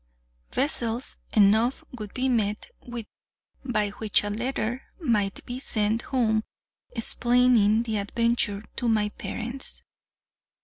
Vessels enough would be met with by which a letter might be sent home explaining the adventure to my parents.